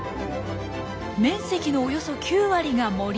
面積のおよそ９割が森。